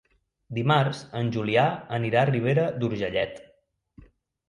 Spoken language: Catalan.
Dimarts en Julià anirà a Ribera d'Urgellet.